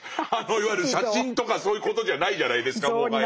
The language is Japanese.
いわゆる写真とかそういうことじゃないじゃないですかもはや。